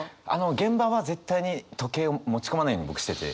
現場は絶対に時計を持ち込まないように僕してて。